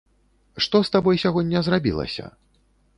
Што з табой сягоння зрабілася?